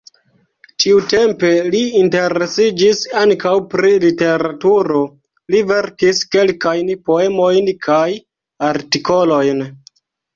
Tiutempe li interesiĝis ankaŭ pri literaturo, li verkis kelkajn poemojn kaj artikolojn.